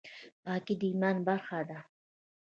پاکي د ایمان برخه ده